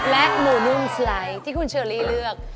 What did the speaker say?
และหมูนุ่มสไลด์ที่คุณเชอรี่เลือก